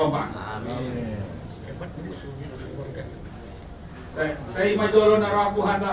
mata selbst dalam rumah